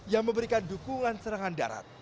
yang memberikan dukungan serangan darat